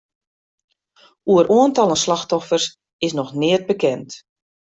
Oer oantallen slachtoffers is noch neat bekend.